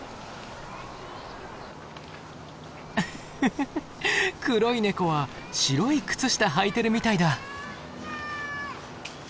フフフ黒いネコは白い靴下はいてるみたいだ。